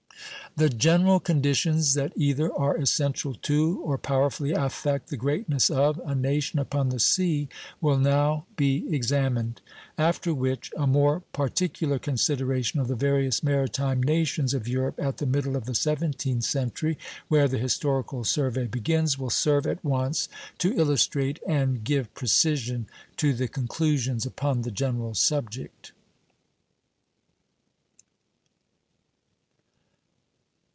The general conditions that either are essential to or powerfully affect the greatness of a nation upon the sea will now be examined; after which a more particular consideration of the various maritime nations of Europe at the middle of the seventeenth century, where the historical survey begins, will serve at once to illustrate and give precision to the conclusions upon the general subject.